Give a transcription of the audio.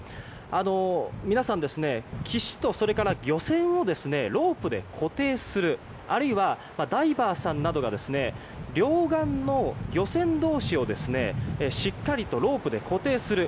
皆さん岸と漁船をロープで固定するあるいは、ダイバーさんなどが両岸の漁船同士をしっかりとロープで固定する。